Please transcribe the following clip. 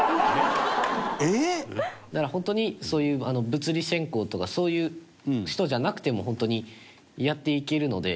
隆貴君：だから、本当にそういう物理専攻とかそういう人じゃなくても本当に、やっていけるので。